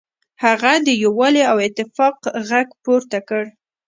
هغه د یووالي او اتفاق غږ پورته کړ.